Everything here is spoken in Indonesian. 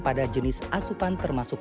pada jenis asupan termasuk